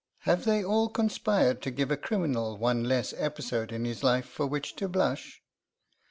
'Have they all conspired to give a criminal one less episode in his life for which to blush?...